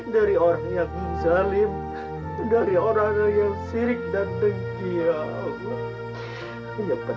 dari orang yang zalim dari orang orang yang sirik dan tengkir allah